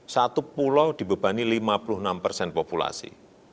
satu pulau dibebani lima puluh enam persen populasi